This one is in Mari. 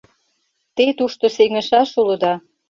Те тушто сеҥышаш улыда.